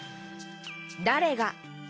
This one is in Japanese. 「だれが」